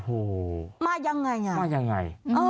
โอ้โหมายังไงอ่ะมายังไง